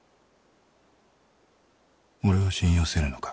俺を信用せぬのか？